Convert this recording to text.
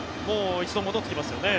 一度戻ってきますよね？